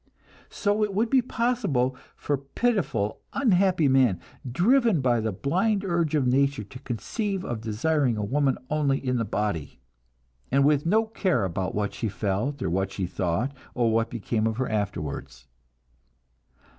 So it would be possible for pitiful, unhappy man, driven by the blind urge of nature, to conceive of desiring a woman only in the body, and with no care about what she felt, or what she thought, or what became of her afterwards.